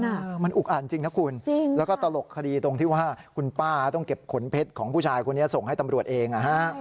อุบันจริง๒๐๑๓นจะตรกคดีตรงที่ว่าคุณป้าต้องเก็บขนเพชรของผู้ชายคนนี้ส่งให้ตำรวจเอง